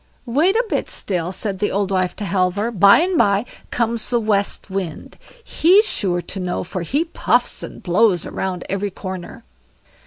"Wait a bit still", said the old wife to Halvor, "by and bye comes the West Wind; he's sure to know it, for he puffs and blows round every corner."